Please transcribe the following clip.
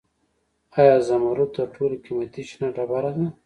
آیا زمرد تر ټولو قیمتي شنه ډبره ده؟